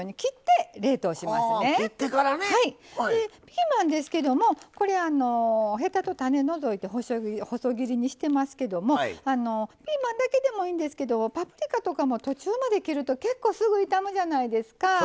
ピーマンですけどもヘタと種除いて細切りにしてますけどもピーマンだけでもいいんですけどパプリカとかも途中まで切ると結構すぐ傷むじゃないですか。